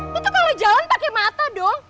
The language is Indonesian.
lu tuh kalo jalan pake mata dong